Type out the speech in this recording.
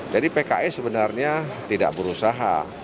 jadi pks sebenarnya tidak berusaha